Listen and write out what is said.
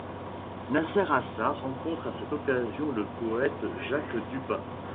Nasser Assar rencontre à cette occasion le poète Jacques Dupin.